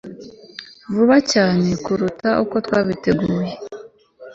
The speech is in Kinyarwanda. Vuba cyane kuruta uko twabiteguye